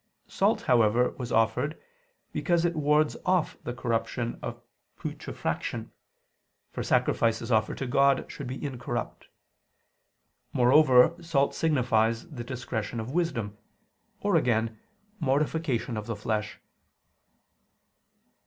Salt, however, was offered, because it wards off the corruption of putrefaction: for sacrifices offered to God should be incorrupt. Moreover, salt signifies the discretion of wisdom, or again, mortification of the flesh.